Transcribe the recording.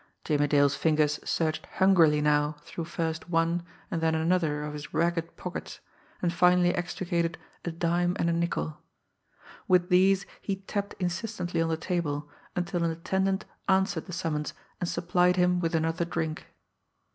Jimmie Dale's fingers searched hungrily now through first one and then another of his ragged pockets, and finally extricated a dime and a nickel. With these he tapped insistently on the table, until an attendant answered the summons and supplied him with another drink.